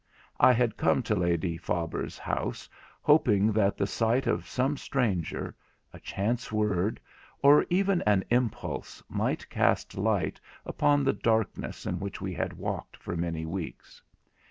I had come to Lady Faber's house hoping that the sight of some stranger, a chance word, or even an impulse might cast light upon the darkness in which we had walked for many weeks.